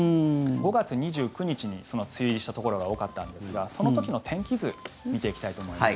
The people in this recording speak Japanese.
５月２９日に梅雨入りしたところが多かったんですがその時の天気図を見ていきたいと思います。